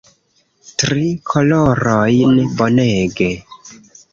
Tri korojn, bonege